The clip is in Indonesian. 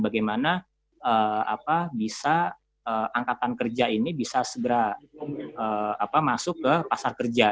bagaimana bisa angkatan kerja ini bisa segera masuk ke pasar kerja